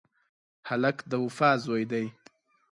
هلک د وفا زوی دی.